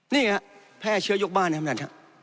นี่ไงแพร่เชื้อยกบ้านครับนั้น